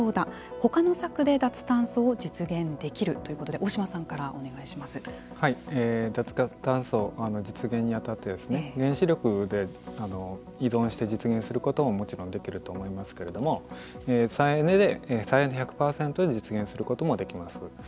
他の策で脱炭素を実現できるということで脱炭素実現に当たっては原子力に依存して実現することももちろんできると思いますけれども再エネで再エネ１００％で実現することもできます。